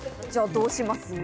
じゃあどうします？